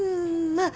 まあ